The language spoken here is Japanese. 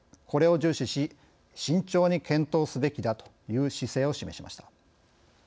これを重視し慎重に検討すべきだという姿勢を示しました。